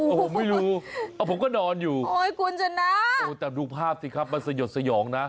โอ้โฮไม่รู้ผมก็นอนอยู่แต่ดูภาพสิครับมันสยดสยองนะ